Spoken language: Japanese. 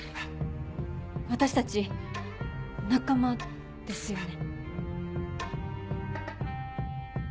私たち仲間ですよね？